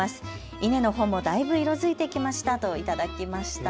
稲の穂もだいぶ色づいてきましたと頂きました。